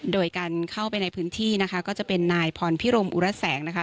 โดยการเข้าไปในพื้นที่นะคะก็จะเป็นนายพรพิรมอุระแสงนะคะ